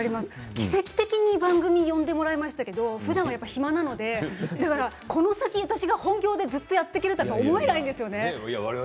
奇跡的に番組に呼んでもらいましたけどふだんは暇なのでこの先、私は本業でずっとやっていけると思えないですよね。